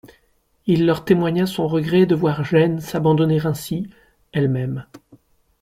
Il leur témoigna son regret de voir Gênes s'abandonner ainsi elle-même.